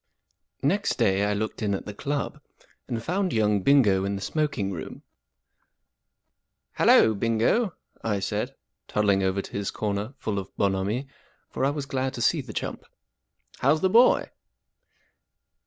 N EXT day I looked in at the club, and found young Bingo in the smoking room. 44 Hallo, Bingo," I said, toddling over to his corner full of bonhomie, for I was glad to see the'chump. 44 How's the boy